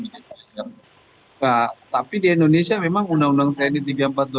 nah tapi di indonesia memang undang undang tni tiga puluh empat dua ribu empat